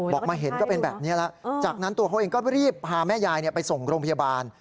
มาเห็นก็เป็นแบบนี้แล้วจากนั้นตัวเขาเองก็รีบพาแม่ยายไปส่งโรงพยาบาล